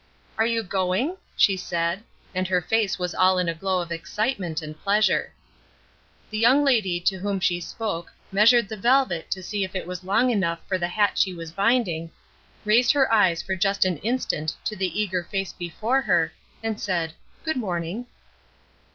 "Are you going?" she said, and her face was all in a glow of excitement and pleasure. The young lady to whom she spoke measured the velvet to see if it was long enough for the hat she was binding, raised her eyes for just an instant to the eager face before her, and said "Good morning."